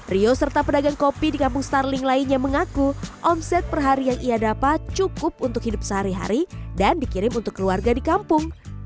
rio serta pedagang kopi di kampung starling lainnya mengaku omset per hari yang ia dapat cukup untuk hidup sehari hari dan dikirim untuk keluarga di kampung